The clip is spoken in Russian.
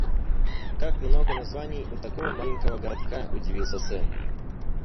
«Как много названий у такого маленького городка», — удивился Сэм.